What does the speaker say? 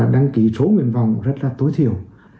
đăng ký số nguyện vọng rất là tối thiểu